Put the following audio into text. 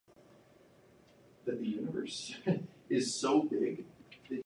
The door policy of the club was regarded as comparably tough.